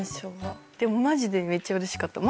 でもマジでめっちゃ嬉しかった。